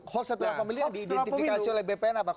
hoax setelah pemilu yang diidentifikasi oleh bpn apa